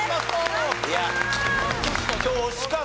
いや今日惜しかった。